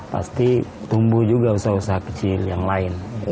pasti tumbuh juga usaha usaha kecil yang lain